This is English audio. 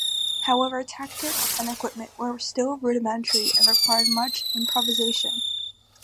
However, tactics and equipment were still rudimentary and required much improvisation.